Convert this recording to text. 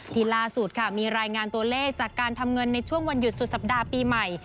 ที่ล่าสุดค่ะมีรายงานตัวเลขจากการทำเงินในช่วงวันหยุดสุดสัปดาห์ปีใหม่